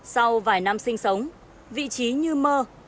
sau vài năm sinh sống vị trí như mơ